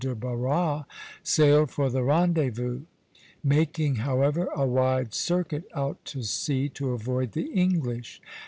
de Barras, sailed for the rendezvous; making, however, a wide circuit out to sea to avoid the English.